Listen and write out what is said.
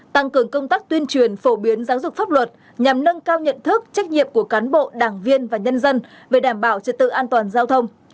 tăng cường công tác tuyên truyền phổ biến giáo dục pháp luật nhằm nâng cao nhận thức trách nhiệm của cán bộ đảng viên và nhân dân về đảm bảo trật tự an toàn giao thông